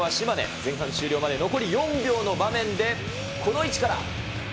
前半終了まで残り４秒の場面で、この位置から。